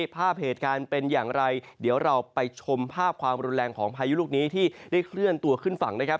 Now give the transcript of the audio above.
ภาพเหตุการณ์เป็นอย่างไรเดี๋ยวเราไปชมภาพความรุนแรงของพายุลูกนี้ที่ได้เคลื่อนตัวขึ้นฝั่งนะครับ